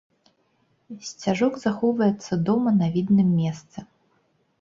Сцяжок захоўваецца дома на відным месцы.